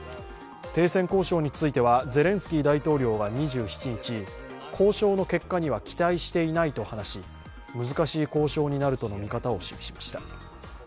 停戦交渉についてはゼレンスキー大統領は２７日交渉の結果には期待していないと話し難しい交渉になるとの見方を示しました。